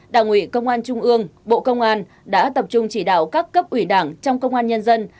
đảng ủy công an trung ương bộ công an đã tập trung chỉ đạo các cấp ủy đảng trong công an nhân dân